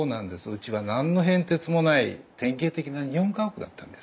うちは何の変哲もない典型的な日本家屋だったんですよ。